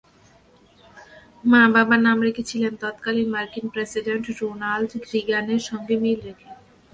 মা-বাবা নাম রেখেছিলেন তত্কালীন মার্কিন প্রেসিডেন্ট রোনাল্ড রিগানের সঙ্গে মিল রেখে।